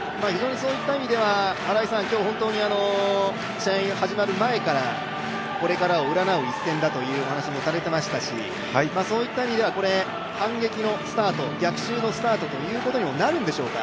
今日、本当に試合が始まる前からこれからを占う１戦だという話をされていましたしそういった意味では反撃のスタート、逆襲のスタートということにもなるんでしょうか。